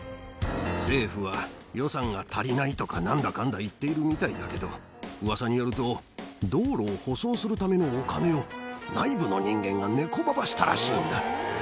政府は予算が足りないとかなんだかんだと言っているみたいだけど、うわさによると、道路を舗装するためのお金を、内部の人間がネコババしたらしいんだ。